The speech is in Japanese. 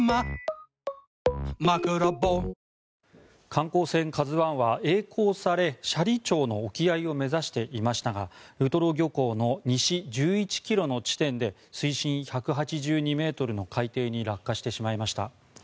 観光船「ＫＡＺＵ１」はえい航され斜里町の沖合を目指していましたがウトロ漁港の西１１ｋｍの地点で水深１８２ｍの海底に落下してしまいました。